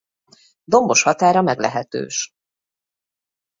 Dombos határa meglehetős.